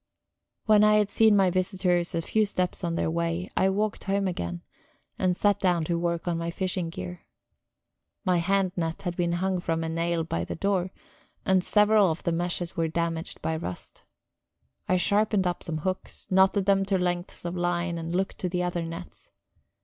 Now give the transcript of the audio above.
When I had seen my visitors a few steps on their way, I walked home again and sat down to work at my fishing gear. My hand net had been hung from a nail by the door, and several of the meshes were damaged by rust; I sharpened up some hooks, knotted them to lengths of line, and looked to the other nets.